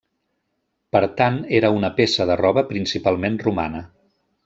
Per tant, era una peça de roba principalment romana.